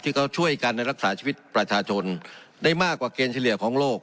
ที่เขาช่วยกันในรักษาชีวิตประชาชนได้มากกว่าเกณฑ์เฉลี่ยของโลก